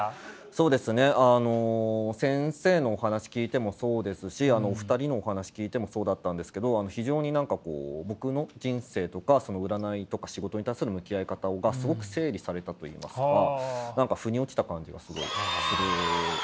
そうですねあの先生のお話聞いてもそうですしお二人のお話聞いてもそうだったんですけど非常に何かこう僕の人生とか占いとか仕事に対する向き合い方がすごく整理されたといいますか何かふに落ちた感じがすごいする時間だったなと思います。